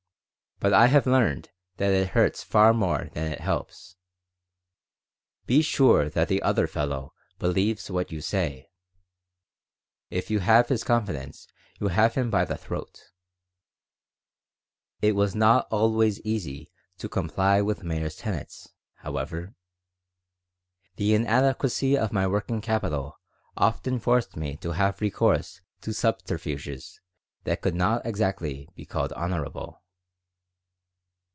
But I have learned that it hurts far more than it helps. Be sure that the other fellow believes what you say. If you have his confidence you have him by the throat." It was not always easy to comply with Meyer's tenets, however. The inadequacy of my working capital often forced me to have recourse to subterfuges that could not exactly be called honorable.